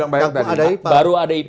baru ada ipal nya